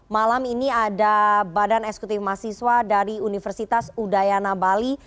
malam ini ada badan eksekutif mahasiswa dari universitas udayana bali